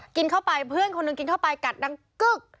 กินเข้าไปเพื่อนคนหนึ่งกินเข้าไปกัดดังกึ๊ก